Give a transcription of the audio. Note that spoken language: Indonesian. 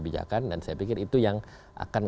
bijakan dan saya pikir itu yang akan